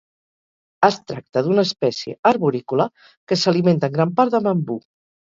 Es tracta d'una espècie arborícola que s'alimenta en gran part de bambú.